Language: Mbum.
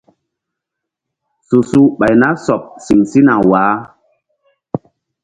Su su ɓay na sɔɓ siŋ sina waah.